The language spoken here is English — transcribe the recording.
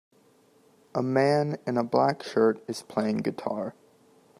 A man in a black shirt is playing guitar.